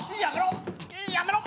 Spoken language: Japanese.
やめろ！